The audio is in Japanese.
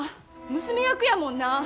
娘役やもんな。